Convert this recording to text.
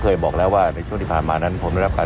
บอกแล้วว่าในช่วงที่ผ่านมานั้นผมได้รับการ